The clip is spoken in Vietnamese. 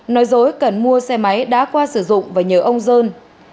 nói dối cần mua xe máy đã qua sử dụng và nhờ ông dơn